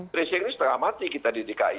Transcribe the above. tracing ini setengah mati kita di dki